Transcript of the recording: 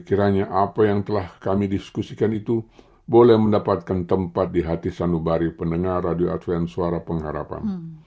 kiranya apa yang telah kami diskusikan itu boleh mendapatkan tempat di hati sanubari pendengar radio advent suara pengharapan